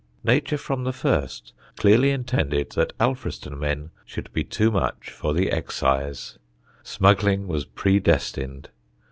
Nature from the first clearly intended that Alfriston men should be too much for the excise; smuggling was predestined.